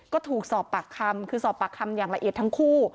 ก็ถูกสอบปากคำคือสอบปากคำอย่างละเอียดทั้งคู่